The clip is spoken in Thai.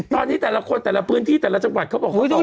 ตอนทีแต่ละคนนี้แต่ละพื้นที่แต่ละจังหวัดเขาบอกเขาสามารถ